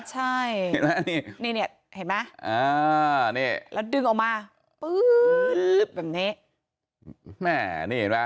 ใช่นี่เนี่ยเห็นไหมแล้วดึงออกมาแบบนี้